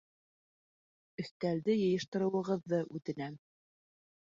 Өҫтәлде йыйыштырыуығыҙҙы үтенәм